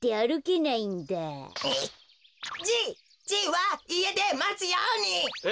じいはいえでまつように！え！